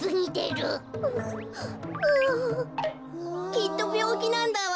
きっとびょうきなんだわ。